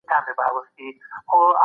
همدا اوس يې پيل کړئ.